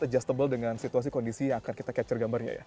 sangat beradaptasi dengan kondisi yang akan kita capai gambarnya